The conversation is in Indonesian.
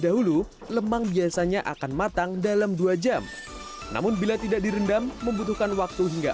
dahulu lemang biasanya akan matang dalam dua jam namun bila tidak direndam membutuhkan waktu hingga